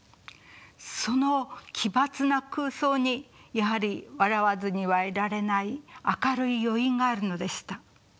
その奇抜な空想にやはり笑わずにはいられない明るい余韻があるのでした。